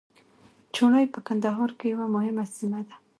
چوڼۍ په کندهار کي یوه مهمه سیمه ده.